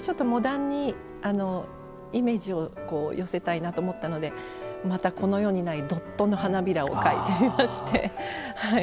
ちょっとモダンにイメージを寄せたいなと思ったのでまた、この世にないドットの花びらを描いてみまして。